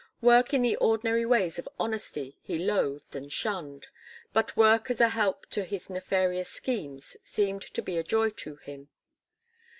Work in the ordinary ways of honesty he loathed and shunned; but work as a help to his nefarious schemes seemed to be a joy to him.